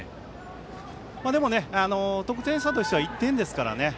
でも、得点差としては１点ですからね。